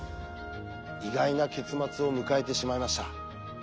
意外な結末を迎えてしまいました。